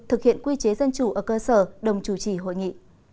thực hiện quy chế dân chủ ở cơ sở đồng chủ trì hội nghị